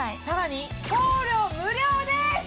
さらに送料無料です！